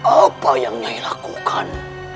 apa yang nyai lakukan